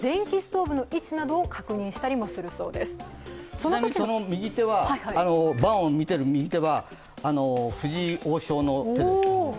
ちなみに、その盤を見ている右手は藤井王将の手です。